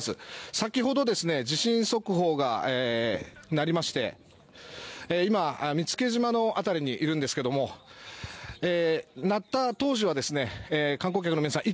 先ほど、地震速報が鳴りまして今、見附島の辺りにいるんですが鳴った当時は観光客の皆さん